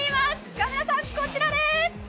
カメラさん、こちらです！